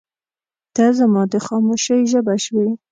• ته زما د خاموشۍ ژبه شوې.